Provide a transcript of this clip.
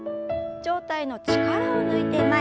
上体の力を抜いて前。